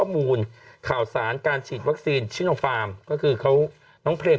ข้อมูลข่าวสารการฉีดวัคซีนชิโนฟาร์มก็คือเขาน้องเพลง